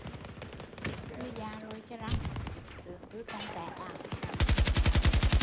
Tui già rồi cha răng, tưởng tui còn trẻ a?